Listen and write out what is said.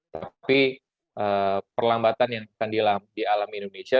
tapi perlambatan yang akan dialami indonesia